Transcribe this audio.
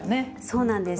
そうなんです。